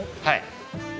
はい。